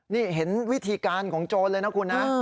นี่เห็นวิธีการของโจรเลยนะคุณนะ